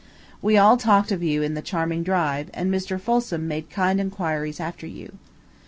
We all talked of you in the charming drive, and Mr. Folsom made kind inquiries after you.